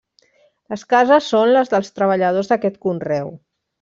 Les cases són les dels treballadors d'aquest conreu.